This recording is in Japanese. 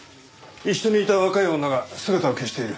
一緒にいた若い女が姿を消している。